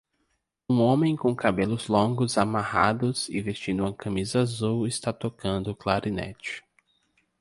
Um homem com cabelos longos amarrados e vestindo uma camisa azul está tocando clarinete.